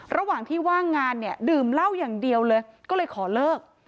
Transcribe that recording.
ระหว่างที่ว่างงานเนี่ยดื่มเหล้าอย่างเดียวเลยก็เลยขอเลิก